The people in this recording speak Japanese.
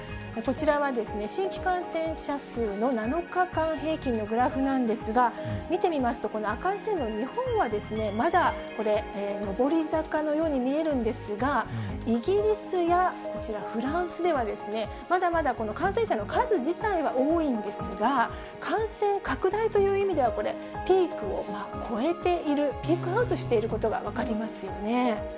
こちらは、新規感染者数の７日間平均のグラフなんですが、見てみますと、この赤い線の日本はまだこれ、上り坂のように見えるんですが、イギリスやこちらフランスでは、まだまだこの感染者の数自体は多いんですが、感染拡大という意味ではこれ、ピークを越えている、ピークアウトしていることが分かりますよね。